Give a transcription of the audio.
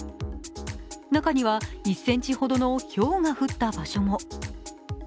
中には１ｃｍほどのひょうが降った場所も。